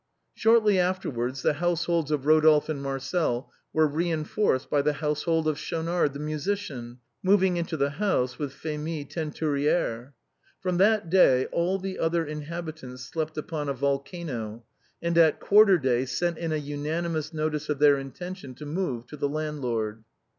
Shortly afterwards the households of Rodolphe and Mar cel were reinforced by the household of Schaunard, the musician moving into the house with Phémie Teinturière. 186 THE BOHEMIANS OF THE LATIN QUARTER. From that day all the other inhabitants slept upon a volcano, and at quarter day sent in a unanimous notice of their intention to move to the landlord.